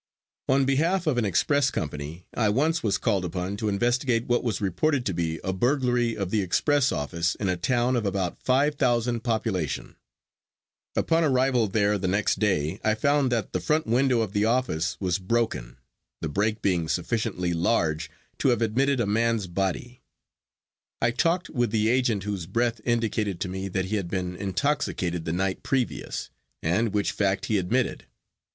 On behalf of an express company, I once was called upon to investigate what was reported to be a burglary of the express office in a town of about five thousand population. Upon arrival there the next day I found that the front window of the office was broken, the break being sufficiently large to have admitted a man's body. I talked with the agent whose breath indicated to me that he had been intoxicated the night previous, and which fact he admitted.